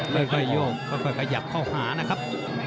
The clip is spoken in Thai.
ค่อยโยกค่อยขยับเข้าหานะครับ